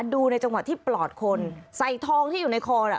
ดูในจังหวะที่ปลอดคนใส่ทองที่อยู่ในคอน่ะ